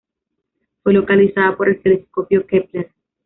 Fue localizada por el telescopio Kepler.